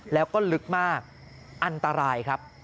แล้วก็ลึกมากอันตรายครับ